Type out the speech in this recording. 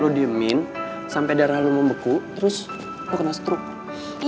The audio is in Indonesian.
lo mau lo diemin sampe darah lo membeku terus lo kena stroke